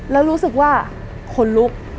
แล้วรู้สึกว่าขนลุก